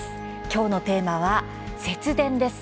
きょうのテーマは、節電です。